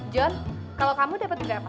jon kalo kamu dapet berapa